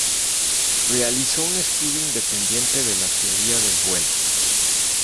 Realizó un estudio independiente de la teoría del vuelo.